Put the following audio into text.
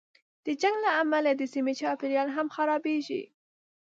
د جنګ له امله د سیمې چاپېریال هم خرابېږي.